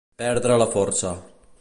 Perdre la força.